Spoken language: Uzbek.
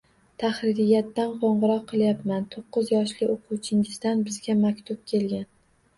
Tahririyatdan qo`ng`iroq qilayapman, to`qqiz yoshli o`quvchingizdan bizga maktub kelgan